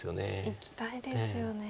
いきたいですよね。